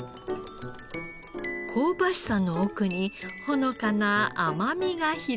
香ばしさの奥にほのかな甘みが広がります。